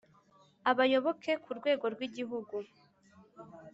abayoboke ku rwego rw Igihugu